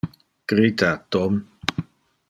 Crita Tom!